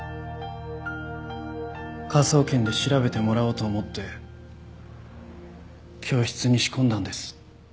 科捜研で調べてもらおうと思って教室に仕込んだんです。